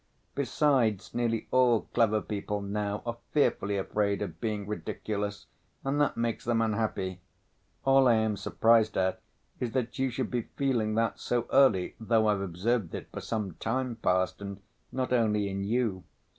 Besides, nearly all clever people now are fearfully afraid of being ridiculous, and that makes them unhappy. All I am surprised at is that you should be feeling that so early, though I've observed it for some time past, and not only in you.